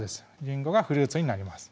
りんごがフルーツになります